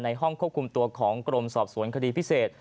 ห้องควบคุมตัวของกรมสอบสวนคดีพิเศษ